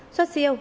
xuất siêu năm năm